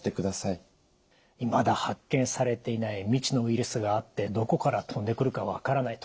いまだ発見されていない未知のウイルスがあってどこから飛んでくるか分からない